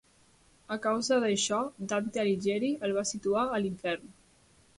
A causa d'això Dante Alighieri el va situar a l'Infern.